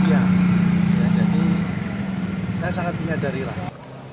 jadi saya sangat menyadari lah